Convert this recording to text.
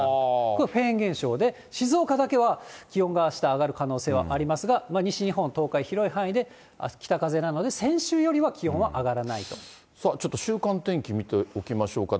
これ、フェーン現象で、静岡だけは気温があした上がる可能性はありますが、西日本、東海、広い範囲で北風なので、先週よりは気温ちょっと週間天気見ておきましょうか。